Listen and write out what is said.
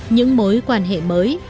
những mối quan hệ mới